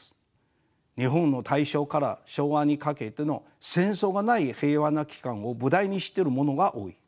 日本の大正から昭和にかけての戦争がない平和な期間を舞台にしてるものが多い。